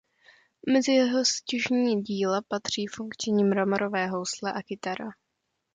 Mezi jeho stěžejní díla patří funkční mramorové housle a kytara.